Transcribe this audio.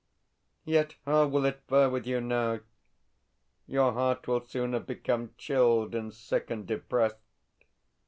Yet how will it fare with you now? Your heart will soon have become chilled and sick and depressed.